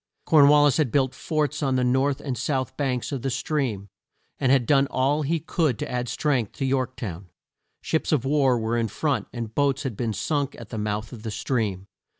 Corn wal lis had built forts on the north and south banks of the stream, and had done all he could to add strength to York town. Ships of war were in front, and boats had been sunk at the mouth of the stream.